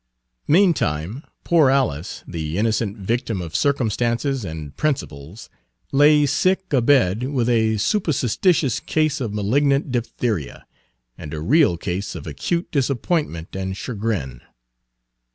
Meantime poor Alice, the innocent victim of circumstances and principles, lay sick abed with a supposititious case of malignant diphtheria, and a real case of acute disappointment and chagrin.